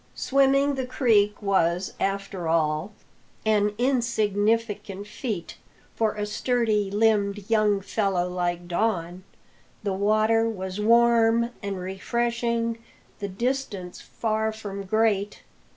Swimming the creek was, after all, an insignificant feat for a sturdy limbed young fellow like Don. The water was warm and refreshing, the distance far from great.